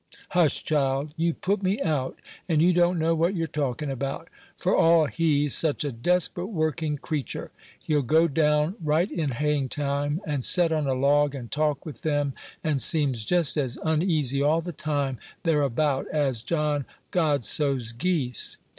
"Hush, child; you put me out, and you don't know what you're talking about. For all he's such a desperate working cretur, he'll go down right in haying time, and set on a log, and talk with them, and seems just as uneasy all the time they're about as John Godsoe's geese."